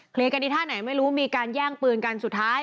กันที่ท่าไหนไม่รู้มีการแย่งปืนกันสุดท้าย